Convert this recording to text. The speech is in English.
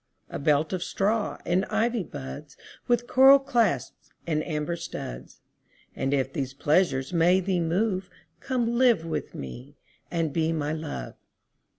A belt of straw and ivy buds With coral clasps and amber studs: And if these pleasures may thee move, Come live with me and be my Love.